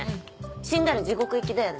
死んだら地獄行きだよね。